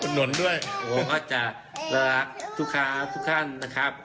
แล้วก็จะจะรักทุกครั้งทุกท่านนะครับ